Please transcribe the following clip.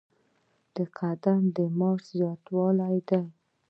قدم د معاش زیاتوالی دی